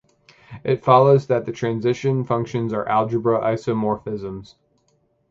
It follows that the transition functions are algebra isomorphisms.